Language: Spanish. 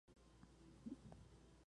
Es atravesada por vías pecuarias.